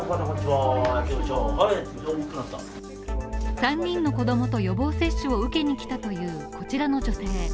３人の子供と予防接種を受けに来たというこちらの女性。